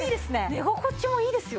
寝心地もいいですよ。